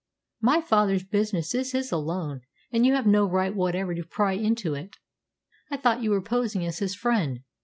"My father's business is his own alone, and you have no right whatever to pry into it. I thought you were posing as his friend!"